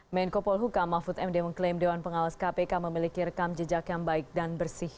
menko polhuka mahfud md mengklaim dewan pengawas kpk memiliki rekam jejak yang baik dan bersih